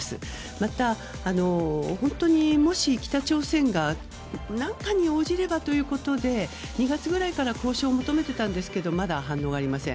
また、もし北朝鮮が何かに応じればということで２月くらいから交渉を求めていたんですがまだ反応がありません。